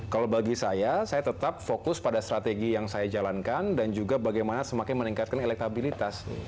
kalau bagi saya saya tetap fokus pada strategi yang saya jalankan dan juga bagaimana semakin meningkatkan elektabilitas